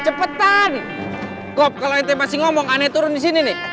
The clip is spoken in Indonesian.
cepetan kok kalau itu masih ngomong aneh turun di sini nih